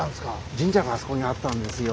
神社があそこにあったんですよ。